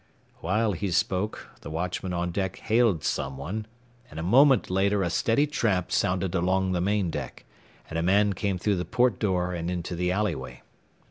While he spoke, the watchman on deck hailed some one, and a moment later a steady tramp sounded along the main deck, and a man came through the port door and into the alleyway.